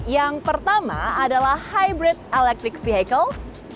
yang pertama adalah hybrid electric vehicle